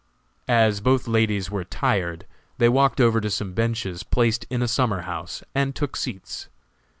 As both ladies were tired, they walked over to some benches placed in a summer house, and took seats.